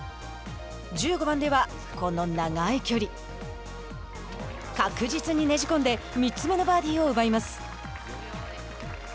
１５番では、この長い距離。確実にねじ込んで３つ目のバーディーを奪います。